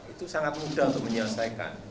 itu sangat mudah untuk menyelesaikan